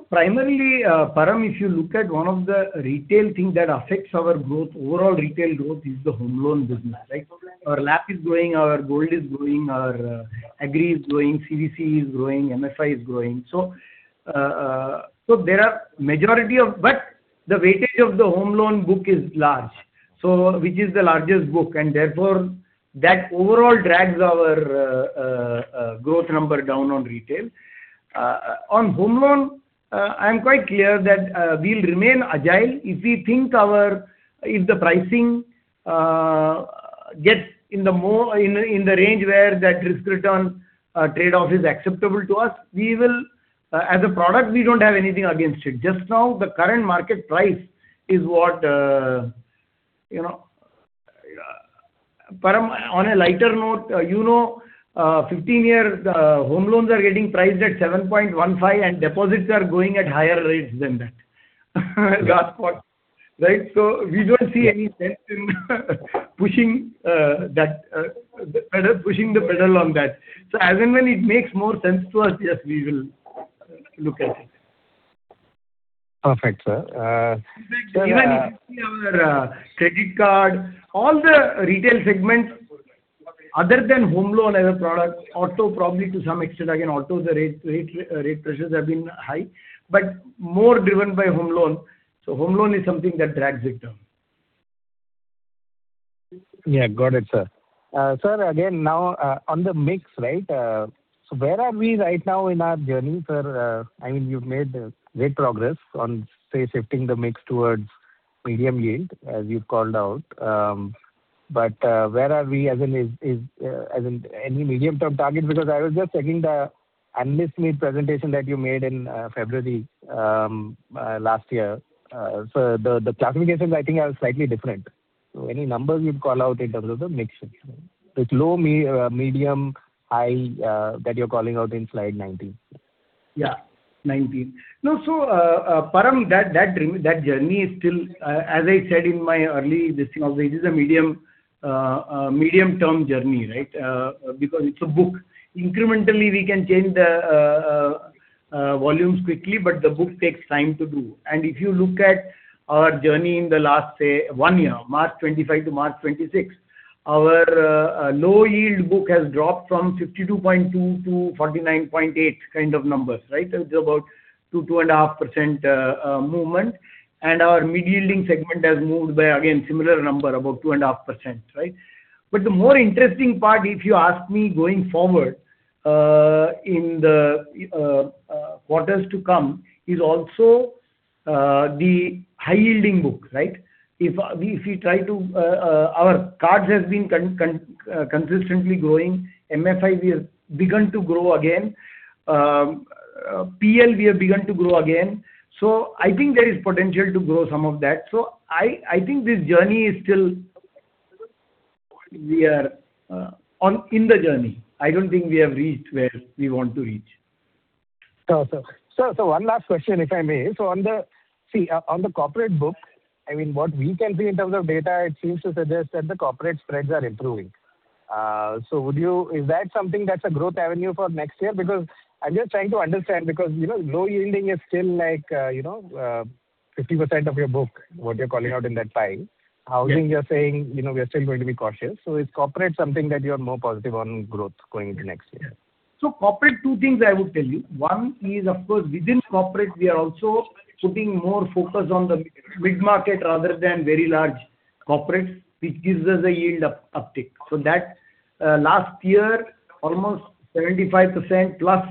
Primarily, Param, if you look at one of the retail thing that affects our growth, overall retail growth is the Home Loan business, right? Our LAP is growing, our Gold is growing, our Agri is growing, CV/CE is growing, MFI is growing. The weightage of the Home Loan book is large, which is the largest book, and therefore, that overall drags our growth number down on retail. On Home Loan, I am quite clear that we'll remain agile. If the pricing gets in the more, in the range where that risk-return trade-off is acceptable to us, we will as a product, we don't have anything against it. Just now, the current market price is what, you know, Param, on a lighter note, you know, 15-year Home Loans are getting priced at 7.15%, and deposits are going at higher rates than that. Yeah. Right? We don't see any sense in pushing the pedal on that. As and when it makes more sense to us, yes, we will look at it. Perfect, sir. [In fact, even if you see our] credit card, all the retail segments other than Home Loan as a product, auto probably to some extent. Autos the rate pressures have been high, but more driven by Home Loan. Home loan is something that drags it down. Yeah, got it, sir. Sir, again, now, on the mix, right? Where are we right now in our journey, sir? I mean, you've made great progress on, say, shifting the mix towards medium yield, as you've called out. Where are we as in any medium-term target? I was just checking the analyst meet presentation that you made in February last year. The classifications I think are slightly different. Any numbers you'd call out in terms of the mix shift. It's low, medium, high, that you're calling out in slide 19. 19. Param, that, that journey is still, as I said in my early discussion also, it is a medium-term journey, right? Because it's a book. Incrementally, we can change the volumes quickly, but the book takes time to do. If you look at our journey in the last, say, one year, March 2025 to March 2026, our low yield book has dropped from 52.2 to 49.8 kind of numbers, right? It's about 2.5% movement. Our mid-yielding segment has moved by, again, similar number, about 2.5%, right? The more interesting part, if you ask me, going forward, in the quarters to come, is also the high-yielding book, right? Our cards has been consistently growing. MFI, we have begun to grow again. PL, we have begun to grow again. I think there is potential to grow some of that. I think this journey is still we are on in the journey. I don't think we have reached where we want to reach. Sure, sir. one last question, if I may. on the Corporate book, I mean, what we can see in terms of data, it seems to suggest that the corporate spreads are improving. Is that something that's a growth avenue for next year? Because I'm just trying to understand because, you know, low yielding is still like, you know, 50% of your book, what you're calling out in that slide. Yeah. Housing, you're saying, you know, we are still going to be cautious. Is Corporate something that you are more positive on growth going into next year? Corporate, two things I would tell you. One is, of course, within Corporate, we are also putting more focus on the mid-market rather than very large Corporates, which gives us a yield uptick. That, last year, almost 75% plus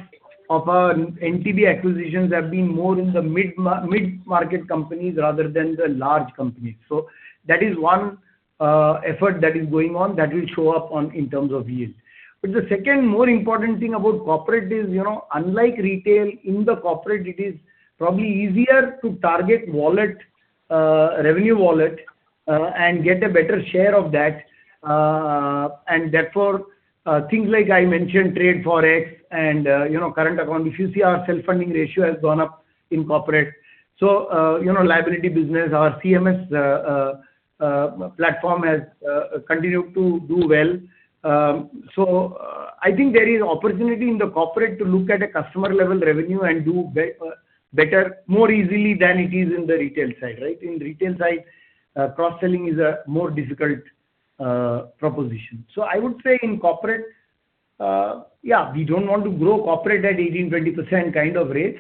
of our NTB acquisitions have been more in the mid-market companies rather than the large companies. That is one effort that is going on that will show up on in terms of yield. The second more important thing about Corporate is, you know, unlike retail, in the Corporate it is probably easier to target wallet, revenue wallet, and get a better share of that. And therefore, things like I mentioned Trade Forex and, you know, Current account. If you see our Self-funding ratio has gone up in Corporate. You know, liability business, our CMS platform has continued to do well. I think there is opportunity in the corporate to look at a customer-level revenue and do better more easily than it is in the retail side, right? In retail side, cross-selling is a more difficult proposition. I would say in corporate, yeah, we don't want to grow corporate at 18% to 20% kind of rates.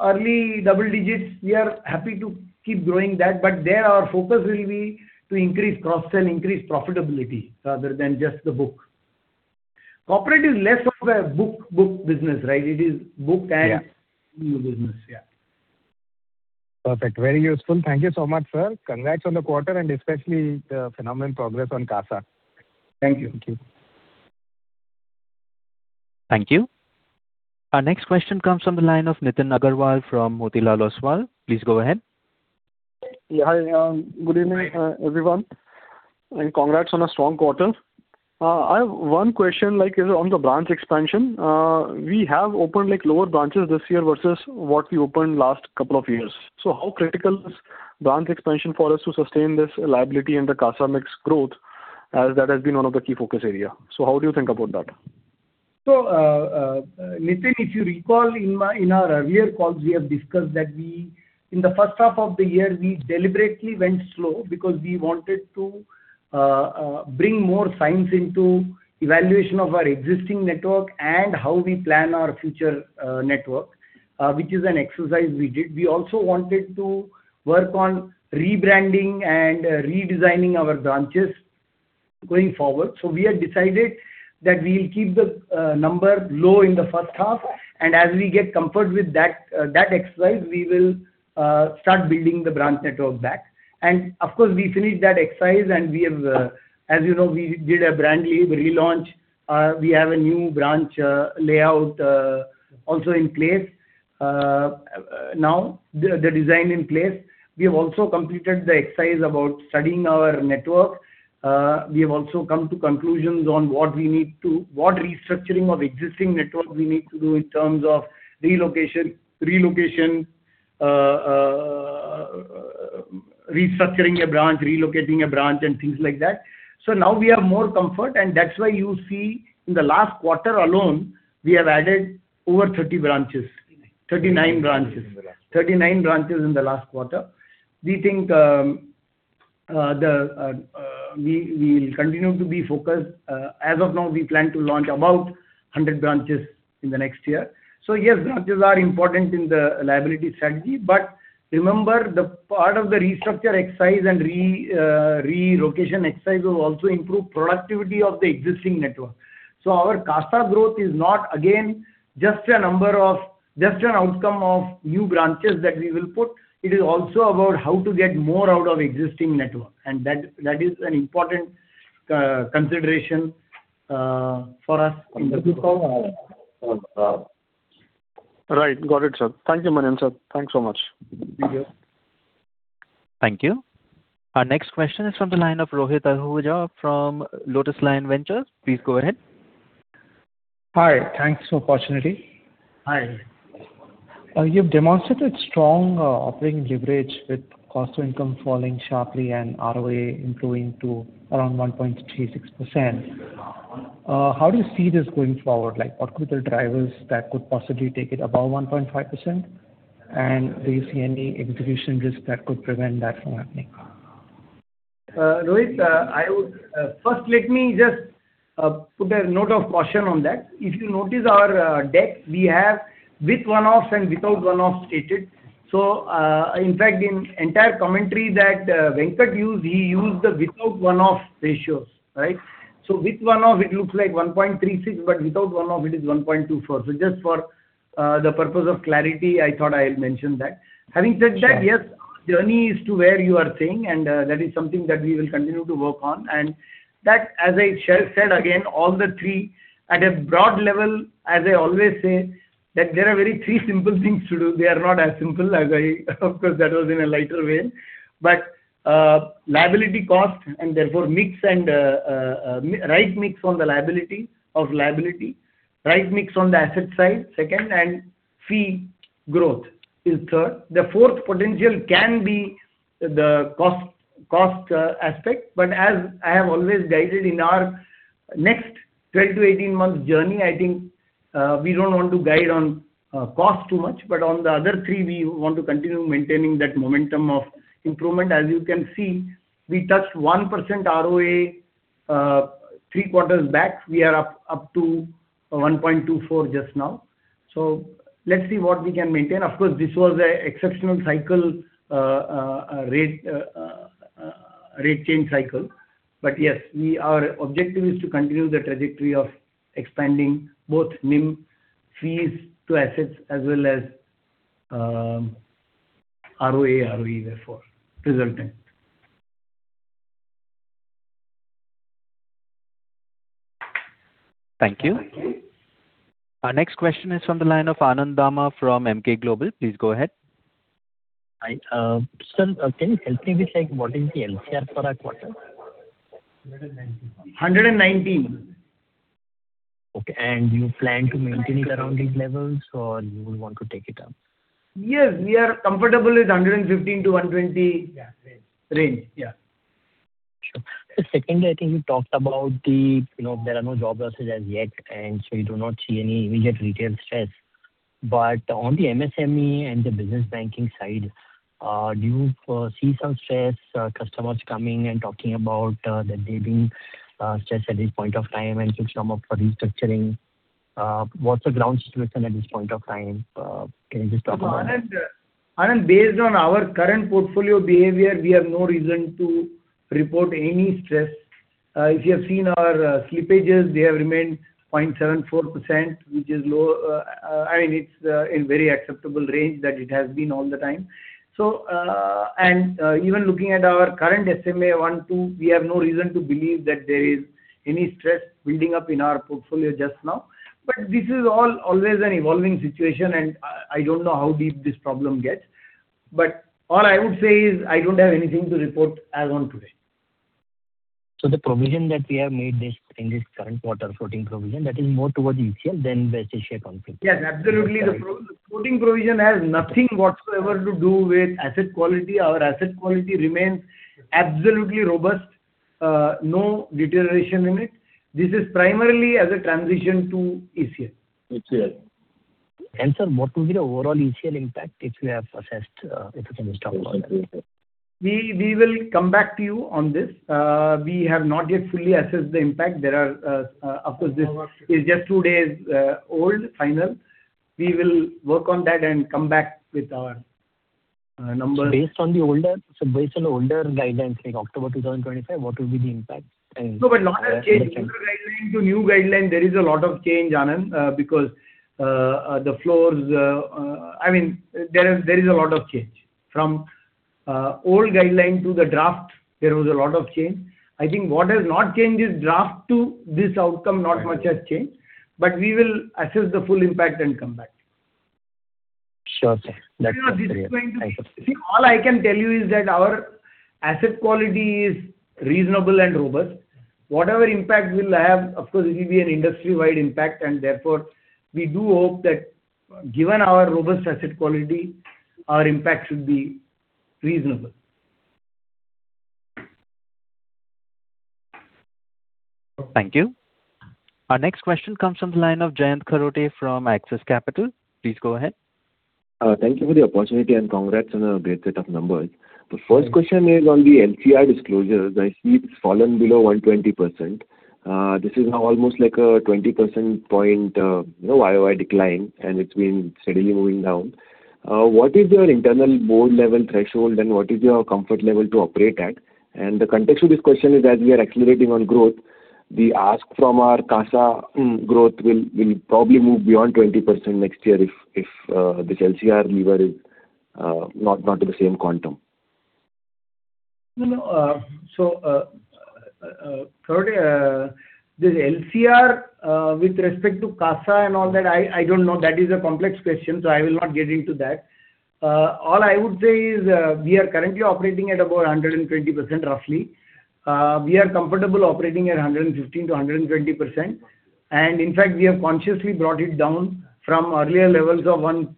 Early double digits, we are happy to keep growing that. There our focus will be to increase cross-sell, increase profitability rather than just the book. Corporate is less of a book business, right? It is book and- Yeah. New business. Yeah. Perfect. Very useful. Thank you so much, sir. Congrats on the quarter and especially the phenomenal progress on CASA. Thank you. Thank you. Thank you. Our next question comes from the line of Nitin Aggarwal from Motilal Oswal. Please go ahead. Yeah. Hi. Good evening, everyone, and congrats on a strong quarter. I have one question, like is on the branch expansion. We have opened like lower branches this year versus what we opened last couple of years. How critical is branch expansion for us to sustain this liability and the CASA mix growth as that has been one of the key focus area? How do you think about that? Nitin, if you recall in my, in our earlier calls, we have discussed that we, in the first half of the year, we deliberately went slow because we wanted to bring more science into evaluation of our existing network and how we plan our future network, which is an exercise we did. We also wanted to work on rebranding and redesigning our branches going forward. We had decided that we'll keep the number low in the first half, and as we get comfort with that exercise, we will start building the branch network back. Of course, we finished that exercise and we have, as you know, we did a brand new relaunch. We have a new branch layout also in place. Now the design in place. We have also completed the exercise about studying our network. We have also come to conclusions on what restructuring of existing network we need to do in terms of relocation, restructuring a branch, relocating a branch and things like that. Now we have more comfort and that's why you see in the last quarter alone, we have added over 30 branches. 39. 39 branches. 39 branches in the last quarter. We think we'll continue to be focused. As of now, we plan to launch about 100 branches in the next year. Yes, branches are important in the liability strategy, but remember the part of the restructure exercise and relocation exercise will also improve productivity of the existing network. Our CASA growth is not again just an outcome of new branches that we will put. It is also about how to get more out of existing network and that is an important consideration for us in the. Right. Got it, sir. Thank you, Manian, sir. Thanks so much. Thank you. Thank you. Our next question is from the line of Rohit Ahuja from Lotuslion Ventures. Please go ahead. Hi. Thanks for opportunity. Hi. You've demonstrated strong operating leverage with cost to income falling sharply and ROA improving to around 1.36%. How do you see this going forward? Like, what could be the drivers that could possibly take it above 1.5%? Do you see any execution risk that could prevent that from happening? Rohit, first let me just put a note of caution on that. If you notice our debt we have with one-offs and without one-offs stated. In fact in entire commentary that Venkat used, he used the without one-off ratios, right? With one-off it looks like 1.36%, but without one-off it is 1.24%. Just for the purpose of clarity, I thought I'll mention that. Sure. Yes, journey is to where you are saying, and that is something that we will continue to work on. That, as I said again, all the three at a broad level, as I always say, that there are very three simple things to do. They are not as simple as I. Of course, that was in a lighter vein. Liability cost and therefore mix, and right mix on the liability of liability. Right mix on the asset side, second, and fee growth is third. The fourth potential can be the cost aspect. As I have always guided in our next 12 to 18 months journey, I think we don't want to guide on cost too much. On the other three, we want to continue maintaining that momentum of improvement. As you can see, we touched 1% ROA three quarters back. We are up to 1.24% just now. Let's see what we can maintain. Of course, this was a exceptional cycle, a rate change cycle. Yes, our objective is to continue the trajectory of expanding both NIM fees to assets as well as ROA, ROE therefore resultant. Thank you. Our next question is from the line of Anand Dama from Emkay Global. Please go ahead. Hi. sir, can you help me with like what is the LCR for our quarter? 119. Okay. You plan to maintain it around these levels or you want to take it up? Yes, we are comfortable with 115 to 120. Yeah, range. Range. Yeah. Sure. Secondly, I think you talked about the, you know, there are no job losses as yet. You do not see any immediate retail stress. On the MSME and the Business Banking side, do you see some stress customers coming and talking about that they're being stressed at this point of time and some are up for restructuring? What's the ground situation at this point of time? Can you just talk about that? Anand, based on our current portfolio behavior, we have no reason to report any stress. If you have seen our slippages, they have remained 0.74%, which is low. I mean, it's in very acceptable range that it has been all the time. Even looking at our current SMA 1, 2, we have no reason to believe that there is any stress building up in our portfolio just now. This is all always an evolving situation and I don't know how deep this problem gets. All I would say is I don't have anything to report as on today. The provision that we have made this, in this current quarter, floating provision, that is more towards ECL than the HCA conflict? Yes, absolutely. The floating provision has nothing whatsoever to do with asset quality. Our asset quality remains absolutely robust. No deterioration in it. This is primarily as a transition to ECL. ECL. Sir, what will be the overall ECL impact if you have assessed, if you can talk about that? We will come back to you on this. We have not yet fully assessed the impact. There are, of course, this is just two days old, final. We will work on that and come back with our number. Based on the older guidelines like October 2025, what will be the impact? No, but not a change. Older guideline to new guideline, there is a lot of change, Anand, because I mean, there is a lot of change. From old guideline to the draft, there was a lot of change. I think what has not changed is draft to this outcome, not much has changed. We will assess the full impact and come back. Sure, sir. That's all for me. Thank you. I understand. All I can tell you is that our asset quality is reasonable and robust. Whatever impact we'll have, of course it will be an industry-wide impact and therefore we do hope that given our robust asset quality, our impact should be reasonable. Thank you. Our next question comes from the line of Jayant Kharote from Axis Capital. Please go ahead. Thank you for the opportunity, and congrats on a great set of numbers. The first question is on the LCR disclosures. I see it's fallen below 120%. This is now almost like a 20 percentage point, you know, YoY decline, and it's been steadily moving down. What is your internal board level threshold, and what is your comfort level to operate at? The context to this question is as we are accelerating on growth, the ask from our CASA growth will probably move beyond 20% next year if this LCR lever is not to the same quantum? No, no. Kharote, this LCR, with respect to CASA and all that, I don't know. That is a complex question, I will not get into that. All I would say is, we are currently operating at about 120% roughly. We are comfortable operating at 115% to 120%. In fact, we have consciously brought it down from earlier levels of 135%,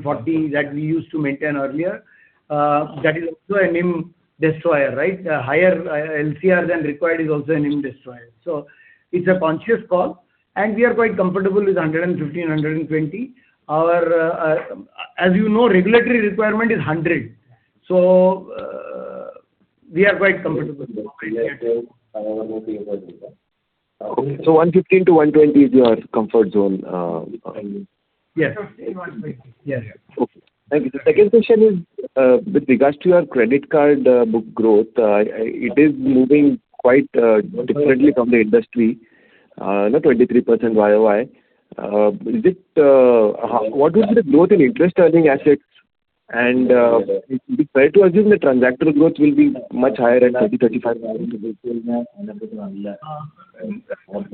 140% that we used to maintain earlier. That is also an NIM destroyer, right? A higher LCR than required is also an NIM destroyer. It's a conscious call, and we are quite comfortable with 115%, 120%. As you know, regulatory requirement is 100%. We are quite comfortable operating at. Okay. So 115%, 120% is your comfort zone, I mean? Yes. 115%, 120%. Yeah. Okay. The second question is with regards to your credit card book growth, it is moving quite differently from the industry. You know, 23% YoY. What will be the growth in interest earning assets? Be fair to assume the transactor growth will be much higher at 30% to 35% YoY.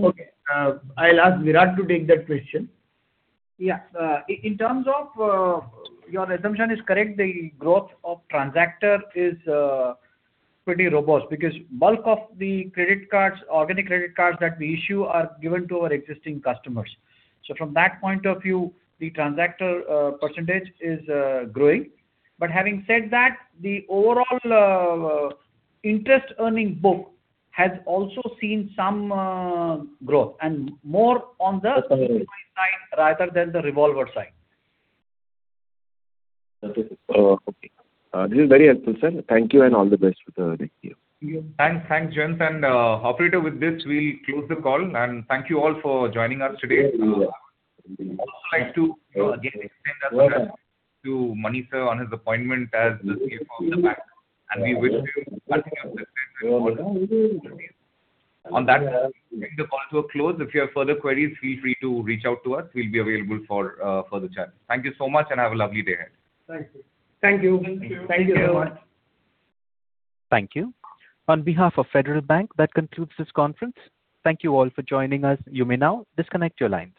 Okay. I'll ask Virat to take that question. Yeah. In terms of, your assumption is correct. The growth of transactor is pretty robust because bulk of the credit cards, organic credit cards that we issue are given to our existing customers. From that point of view, the transactor percentage is growing. Having said that, the overall interest earning book has also seen some growth and more on the side rather than the revolver side. This is very helpful, sir. Thank you and all the best with the next year. Thank you. Thanks. Thanks, Jayant. Operator, with this, we'll close the call. Thank you all for joining us today. I would like to, you know, again extend our congrats to Manikandan on his appointment as the CFO of the bank, and we wish him nothing but the best going forward. On that note, I think the calls will close. If you have further queries, feel free to reach out to us. We'll be available for further chat. Thank you so much and have a lovely day ahead. Thank you. Thank you. Thank you. Thank you so much. Thank you. On behalf of Federal Bank, that concludes this conference. Thank you all for joining us. You may now disconnect your lines.